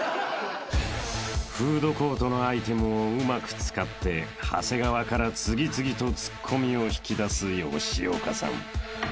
［フードコートのアイテムをうまく使って長谷川から次々とツッコミを引き出す吉岡さん］